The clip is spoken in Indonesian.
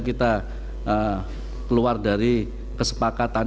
kita keluar dari kesepakatan